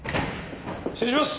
失礼します！